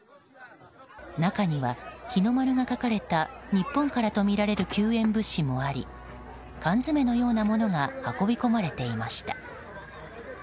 中には、日の丸が書かれた日本からとみられる救援物資もあり缶詰のようなものが運び込まれていました。